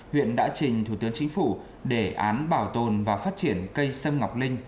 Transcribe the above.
huyện đã trình thủ tướng chính phủ đề án bảo tồn và phát triển cây sâm ngọc linh